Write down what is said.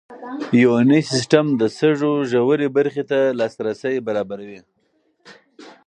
یوني سیسټم د سږو ژورې برخې ته لاسرسی برابروي.